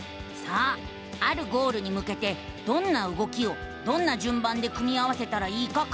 あるゴールにむけてどんな動きをどんなじゅんばんで組み合わせたらいいか考える。